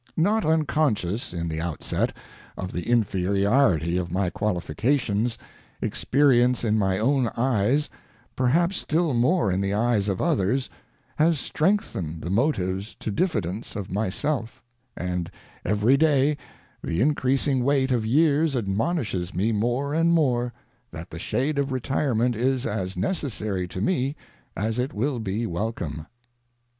ŌĆö Not uncon scious, in the outset, of the inferiority of my qualifications, experience in my own eyes, perhaps still more in the eyes of others, has strengthened the motives to diffidence of my self; and every day the increasing weight of years admonishes me more and more, that the shade of retirement is as necessary to me as it will be welcome.